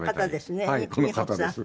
この方ですね。